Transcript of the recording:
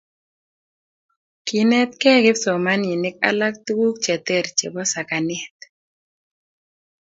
kiinetgei kipsomaninik alak tuguk che ter chebo sakanet